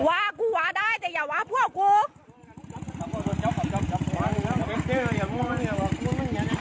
ต่อหวากูหวาได้แต่อย่าหวาพวกกู